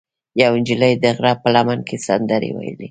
یوه نجلۍ د غره په لمن کې سندرې ویلې.